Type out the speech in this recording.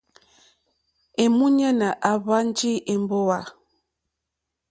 Èmúɲánà àhwánjì èmbówà.